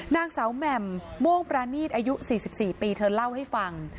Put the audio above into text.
นางสาวแหม่มโม่งปรานีตอายุ๔๔ปีเธอเล่าให้ฟัง